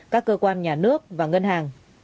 các cơ quan nhà nước và ngân hàng